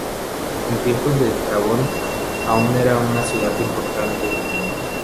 En tiempos de Estrabón aún era una ciudad importante.